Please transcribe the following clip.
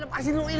lepasin lu ini